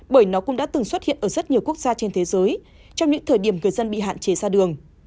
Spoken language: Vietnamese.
bởi nó cũng đã từng xuất hiện ở rất nhiều quốc gia trên thế giới trong những thời điểm người dân bị hạn chế ra đường